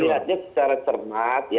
kita lihatnya secara cermat ya